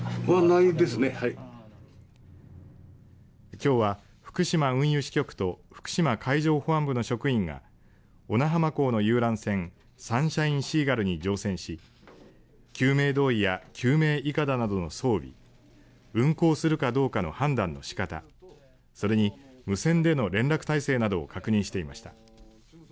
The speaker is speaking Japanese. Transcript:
きょうは、福島運輸支局と福島海上保安本部の職員が小名浜港の遊覧船サンシャインシーガルに乗船し救命胴衣や救命いかだなどの装備運航するかどうかの判断の仕方それに無線での連絡体制などを確認しました。